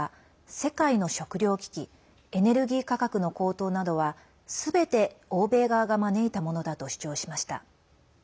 世界の食糧危機エネルギー価格の高騰などはすべて欧米側が招いたものだと主張しました。